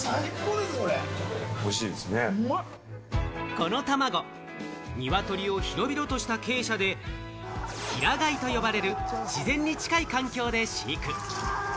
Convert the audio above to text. このたまご、鶏を広々とした鶏舎で平飼いと呼ばれる自然に近い環境で飼育。